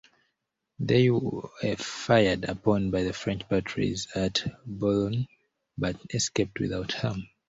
They were fired upon by the French batteries at Boulogne but escaped without harm.